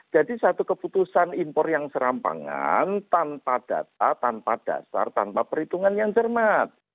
jadi satu keputusan impor yang serampangan tanpa data tanpa dasar tanpa perhitungan yang cermat